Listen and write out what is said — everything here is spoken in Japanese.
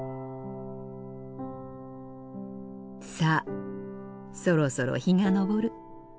さあそろそろ日が昇る。